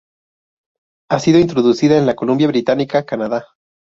Ha sido introducida en la Columbia Británica, Canadá.